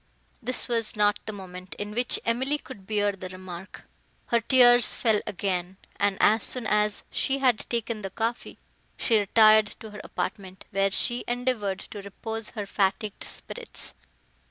This was not the moment, in which Emily could bear the remark; her tears fell again, and, as soon as she had taken the coffee, she retired to her apartment, where she endeavoured to repose her fatigued spirits.